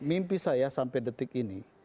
mimpi saya sampai detik ini